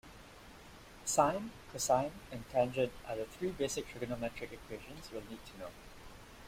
Sine, cosine and tangent are three basic trigonometric equations you'll need to know.